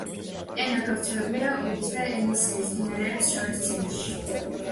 ენა გავრცელებულია ობის და ენისეის მდინარეებს შორის ციმბირში.